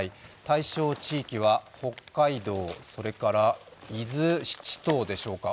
対象地域は、北海道、それから伊豆七島でしょうか。